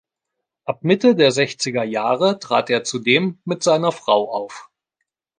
Ab Mitte der sechziger Jahre trat er zudem mit seiner Frau auf.